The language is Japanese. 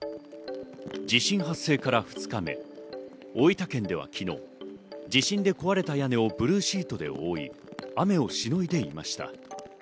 地震発生から２日目、大分県では昨日、地震で壊れた屋根をブルーシートで覆い、雨をしのいでいました。